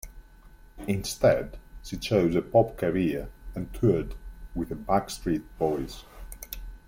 Instead, she chose a pop career and toured with the Backstreet Boys.